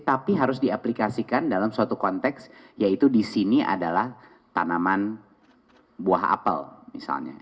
tapi harus diaplikasikan dalam suatu konteks yaitu di sini adalah tanaman buah apel misalnya